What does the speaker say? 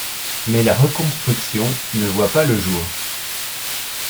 Mais la reconstruction ne voit pas le jour.